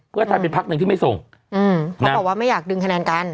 เพื่อไทยเป็นพักหนึ่งที่ไม่ส่งอืมเขาบอกว่าไม่อยากดึงคะแนนกัน